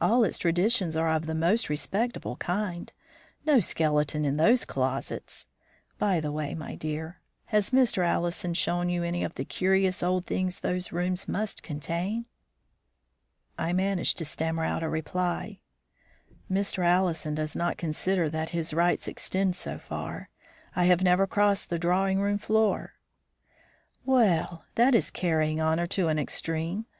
All its traditions are of the most respectable kind; no skeleton in those closets! By the way, my dear, has Mr. Allison shown you any of the curious old things those rooms must contain?" I managed to stammer out a reply, "Mr. Allison does not consider that his rights extend so far. I have never crossed the drawing room floor." "Well! that is carrying honor to an extreme.